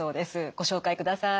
ご紹介ください。